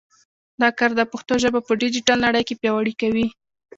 دا کار د پښتو ژبه په ډیجیټل نړۍ کې پیاوړې کوي.